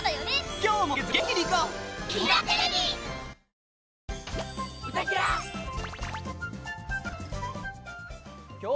今日もめげずに元気にいこう！